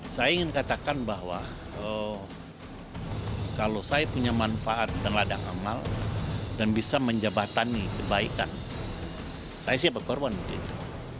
saya ingin katakan bahwa kalau saya punya manfaat dan ladang amal dan bisa menjabatani kebaikan saya siapa korban untuk itu